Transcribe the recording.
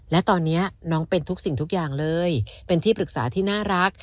และตอนนี้น้องเป็นทุกสิ่งทุกอย่างเลยเป็นที่ปรึกษาที่น่ารัก